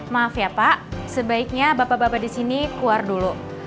maaf ya pak sebaiknya bapak bapak disini keluar dulu